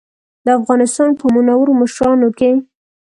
د افغانستان په منورو مشرانو کې.